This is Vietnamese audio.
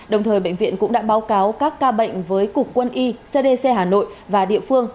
đồng thời bệnh viện cũng đã báo cáo các ca bệnh với cục quân y cdc hà nội và địa phương